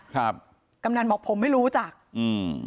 กำนันบอกผมไม่รู้จักอืม